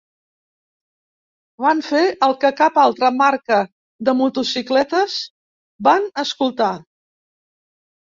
Van fer el que cap altra marca de motocicletes; van escoltar.